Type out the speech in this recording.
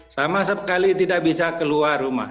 sama sekali tidak bisa keluar rumah